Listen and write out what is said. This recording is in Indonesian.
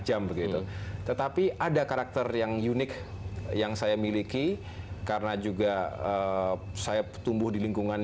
jam begitu tetapi ada karakter yang unik yang saya miliki karena juga saya tumbuh di lingkungan